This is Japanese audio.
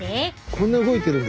こんな動いてるんだ